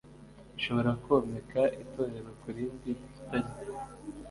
ishobora komeka itorero kurindi bifitanye